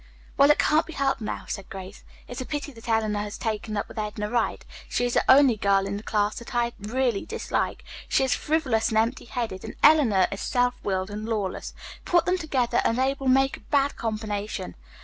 "Well, it can't be helped now," said Grace. "It is a pity that Eleanor has taken up with Edna Wright. She is the only girl in the class that I really dislike. She is frivolous and empty headed, and Eleanor is self willed and lawless. Put them together, and they will make a bad combination.